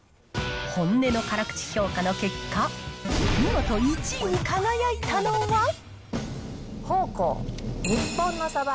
本音の辛口評価の結果、見事１位に輝いたのは。